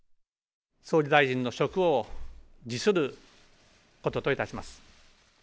総理大臣の職を辞することといたします。